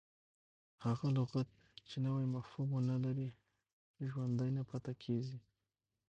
هغه لغت، چي نوی مفهوم و نه لري، ژوندی نه پاته کیږي.